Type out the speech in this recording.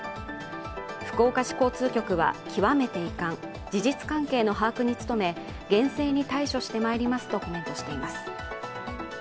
福岡市交通局は極めて遺憾、事実関係の把握に努め、厳正に対処してまいりますとコメントしています。